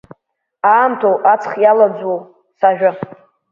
Аамҭоу аҵх иалаӡуоу сажәа?